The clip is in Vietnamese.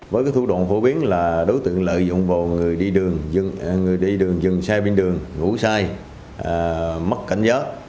với cái thu đoàn phổ biến là đối tượng lợi dụng bộ người đi đường dừng xe bên đường ngủ say mất cảnh giới